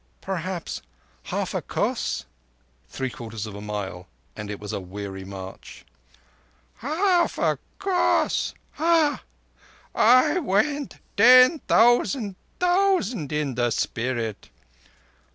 "Perhaps half a koss." (Three quarters of a mile, and it was a weary march.) "Half a koss. Ha! I went ten thousand thousand in the spirit.